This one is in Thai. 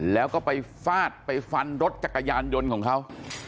แล้วก็ไปฟาดไปฟันรถจักรยานยนต์ของเขา